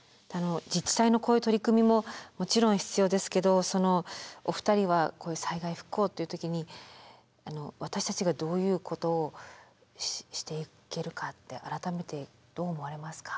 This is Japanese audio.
自治体のこういう取り組みももちろん必要ですけどそのお二人はこういう災害復興という時に私たちがどういうことをしていけるかって改めてどう思われますか？